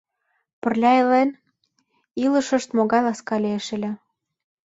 Пырля илен, илышышт могай ласка лиеш ыле.